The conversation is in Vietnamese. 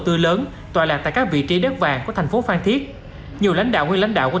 tư lớn tòa lạc tại các vị trí đất vàng của thành phố phan thiết nhiều lãnh đạo nguyên lãnh đạo qua